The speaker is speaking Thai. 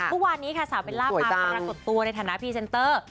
เมื่อวานนี้ค่ะสาวเบลล่ามาปรากฏตัวในฐานะพรีเซนเตอร์